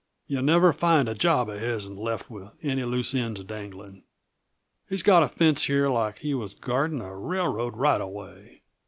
"Yuh never find a job uh hisn left with any loose ends a dangling. He's got a fence here like he was guarding a railroad right uh way.